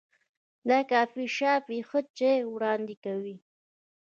دا کافي شاپ ښه چای وړاندې کوي.